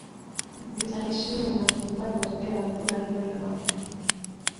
zitaheshimu na kukubali matokeo ya kura hiyo ya maamuzii